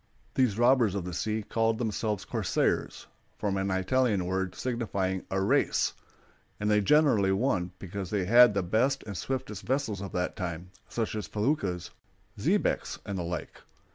These robbers of the sea called themselves corsairs, from an Italian word signifying "a race"; and they generally won, because they had the best and swiftest vessels of that time, such as feluccas, xebecs, and the like.